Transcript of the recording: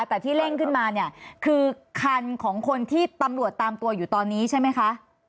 แต่ที่เร่งขึ้นมาเนี่ยคือคันของคนที่ตำรวจตามตัวอยู่ตอนนี้ใช่ไหมคะ